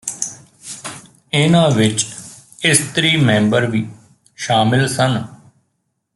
ਇਨ੍ਹਾਂ ਵਿਚ ਇਸਤਰੀ ਮੈਂਬਰ ਵੀ ਸ਼ਾਮਲ ਸਨ